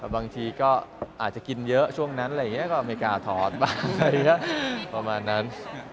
บางทีก็อาจจะกินเยอะช่วงนั้นอะไรอย่างนี้ก็ไม่กล้าถอดบ้างอะไรอย่างนี้ประมาณนั้น